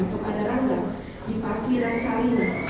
untuk ada rangka di parti rengsalina